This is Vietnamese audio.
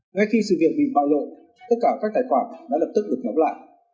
ngay khi sự việc bị bạo lộ tất cả các tài khoản đã lập tức được đóng lại